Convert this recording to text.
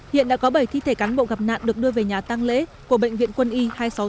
hiện đã có bảy thi thể cán bộ gặp nạn được đưa về nhà tăng lễ của bệnh viện quân y hai trăm sáu mươi tám